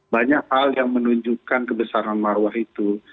banyak hal yang menunjukkan kebesaran marwah itu